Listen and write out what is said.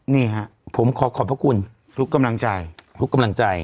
นี่ฮะผมขอขอบพระคุณทุกกำลังใจทุกกำลังใจ